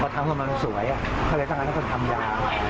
พอทำส่วนมันสวยเขาเลยต้องการทำยา